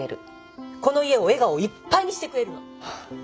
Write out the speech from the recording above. この家を笑顔いっぱいにしてくれる。